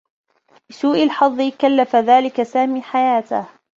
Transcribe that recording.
لسوء الحظّ، كلّف ذلك سامي حياته.